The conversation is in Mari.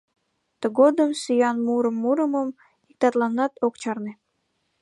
Тыгодым сӱан мурым мурымым иктатланат ок чарне.